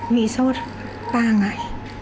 bị sốt ba ngày